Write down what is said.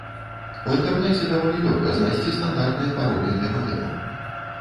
У інтэрнэце даволі лёгка знайсці стандартныя паролі для мадэмаў.